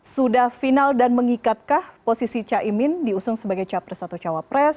sudah final dan mengikatkah posisi caimin diusung sebagai capres atau cawapres